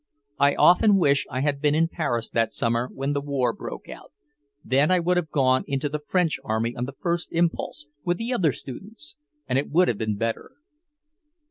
I often wish I had been in Paris that summer when the war broke out; then I would have gone into the French army on the first impulse, with the other students, and it would have been better."